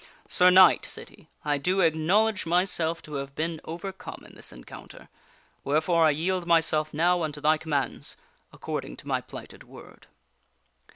" Sir Knight," said he, " I do acknowledge myself to have been over come in this encounter, wherefore I yield myself now unto thy commands, according to my plighted word."